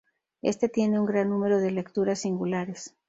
Este tiene un gran número de lecturas singulares.